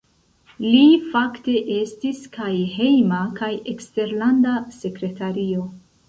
Li fakte estis kaj Hejma kaj Eksterlanda Sekretario.